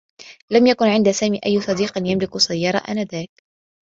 لم يكن عند سامي أيّ صديق يملك سيّارة آنذاك.